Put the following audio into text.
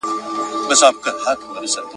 نه د بل پر حیثیت وي نه د خپلو ,